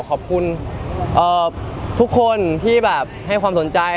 ขอบคุณทุกคนที่แบบให้ความสนใจ